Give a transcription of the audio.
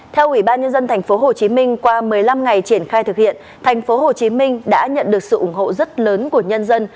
theo ủy ban nhân dân tp hcm qua một mươi năm ngày triển khai thực hiện tp hcm đã nhận được sự ủng hộ rất lớn của nhân dân